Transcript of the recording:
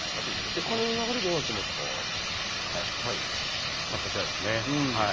お金の流れがこちらです。